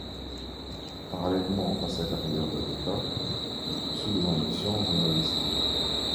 Parallèlement à sa carrière d'avocat, il poursuit des ambitions journalistiques.